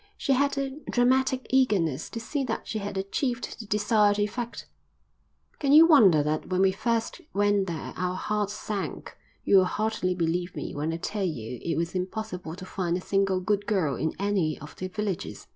She had a dramatic eagerness to see that she had achieved the desired effect. "Can you wonder that when we first went there our hearts sank? You'll hardly believe me when I tell you it was impossible to find a single good girl in any of the villages."